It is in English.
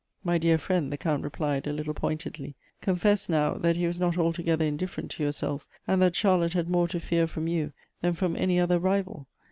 " My dear friend," the Count replied, a little pointedly, " confess, now, that he was not altogether indifferent to yourself, and that Charlotte had more to fear from you than from any other rival.